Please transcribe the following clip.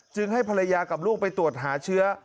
ให้ภรรยากับลูกไปตรวจหาเชื้อ